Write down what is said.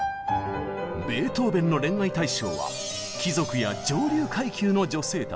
ベートーベンの恋愛対象は貴族や上流階級の女性たち。